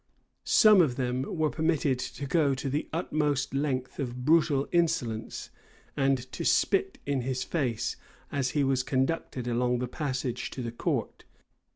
[*] Some of them were permitted to go the utmost length of brutal insolence, and to spit in his face, as he was conducted along the passage to the court.